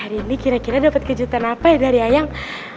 hari ini kira kira dapat kejutan apa ya dari ayang